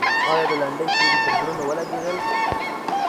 آیا د لنډۍ توري پر زړونو ولګېدل؟